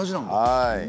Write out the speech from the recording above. はい。